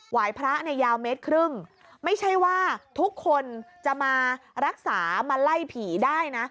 ยพระในยาวเมตรครึ่งไม่ใช่ว่าทุกคนจะมารักษามาไล่ผีได้นะ